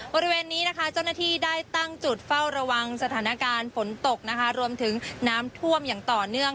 บริเวณนี้นะคะเจ้าหน้าที่ได้ตั้งจุดเฝ้าระวังสถานการณ์ฝนตกนะคะรวมถึงน้ำท่วมอย่างต่อเนื่อง